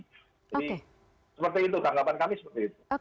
jadi seperti itu tanggapan kami seperti itu